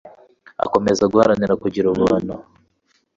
akomeza guharanira kugira ubuntu